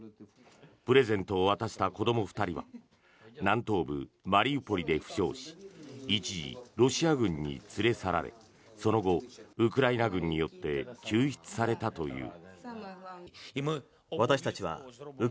プレゼントを渡した子ども２人は南東部マリウポリで負傷し一時、ロシア軍に連れ去られその後、ウクライナ軍によって救出されたという。